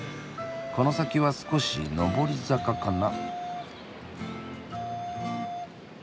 この先は少し上り坂かな。